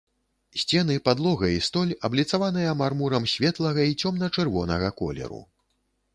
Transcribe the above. Сцены, падлога і столь абліцаваныя мармурам светлага і цёмна-чырвонага колеру.